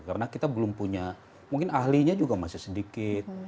karena kita belum punya mungkin ahlinya juga masih sedikit